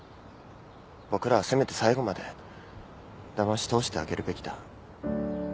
僕らはせめて最後までだまし通してあげるべきだ。